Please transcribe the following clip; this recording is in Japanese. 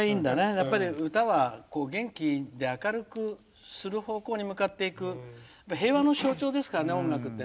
やっぱり歌は元気で明るくする方向に向かっていく平和の象徴ですからね、音楽って。